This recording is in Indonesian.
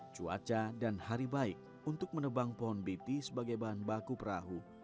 cuaca dan hari baik untuk menebang pohon biti sebagai bahan baku perahu